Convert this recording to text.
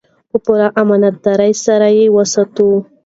په پوره امانتدارۍ سره یې وساتو.